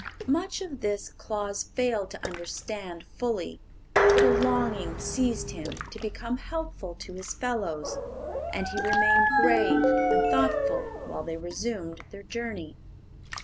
Much of this Claus failed to understand fully, but a longing seized him to become helpful to his fellows, and he remained grave and thoughtful while they resumed their journey.